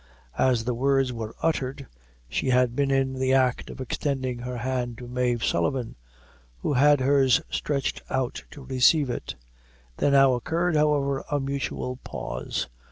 As the words were uttered she had been in the act of extending her hand to Mave Sullivan, who had hers stretched out to receive it. There now occurred, however, a mutual pause.